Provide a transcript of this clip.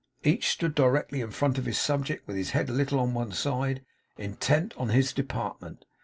Each stood directly in front of his subject with his head a little on one side, intent on his department.